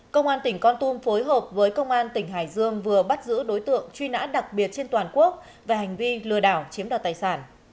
công an tỉnh con tum phối hợp với công an tỉnh hải dương vừa bắt giữ đối tượng truy nã đặc biệt trên toàn quốc về hành vi lừa đảo chiếm đoạt tài sản